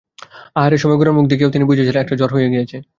আহারের সময় গোরার মুখ দেখিয়াও তিনি বুঝিয়াছিলেন, একটা ঝড় হইয়া গেছে।